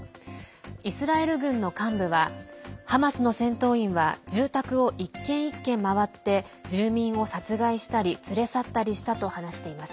イスラエル軍の幹部はハマスの戦闘員は住宅を一軒一軒回って住民を殺害したり連れ去ったりしたと話しています。